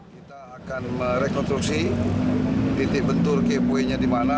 kita akan merekonstruksi titik bentur keypoe nya di mana